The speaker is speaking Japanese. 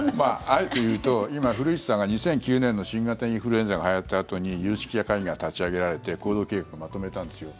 あえて言うと今、古市さんが２００９年の新型インフルエンザがはやったあとに有識者会議が立ち上げられて行動計画をまとめたんですよ。